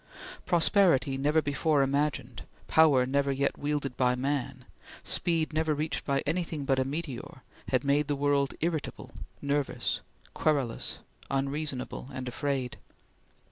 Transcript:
Prosperity never before imagined, power never yet wielded by man, speed never reached by anything but a meteor, had made the world irritable, nervous, querulous, unreasonable and afraid.